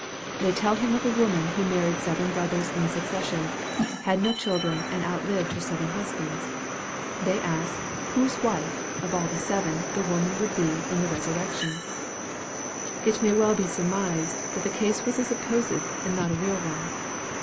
They tell him of a woman who married seven brothers in succession, had no children, and outlived her seven husbands. They ask, " whose wife" of all the seven the woman would be " in the res urrection ?" It may well be surmised that the case was a supposed and not a real one.